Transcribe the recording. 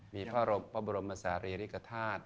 มีพระบรมศาลีริกฐาตุ